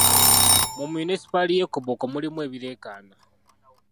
Mu munisipaali ye Koboko mulimu ebireekaana.